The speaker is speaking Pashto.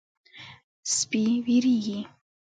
سپي وېرېږي.